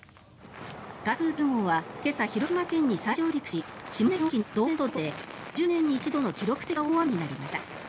台風９号は今朝、広島県に再上陸し島根県・隠岐の島前と島後で５０年に一度の記録的な大雨になりました。